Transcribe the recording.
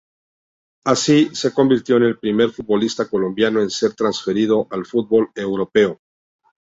Así, se convirtió en el primer futbolista colombiano en ser transferido al fútbol europeo.